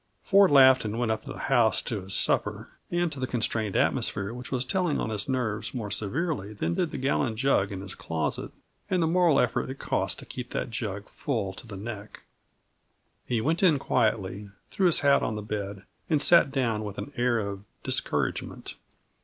Ford laughed and went up to the house to his supper, and to the constrained atmosphere which was telling on his nerves more severely than did the gallon jug in his closet, and the moral effort it cost to keep that jug full to the neck. He went in quietly, threw his hat on the bed, and sat down with an air of discouragement.